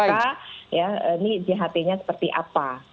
ini jht nya seperti apa